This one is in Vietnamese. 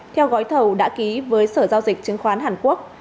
theo gói thầu đã ký với sở giao dịch chứng khoán hàn quốc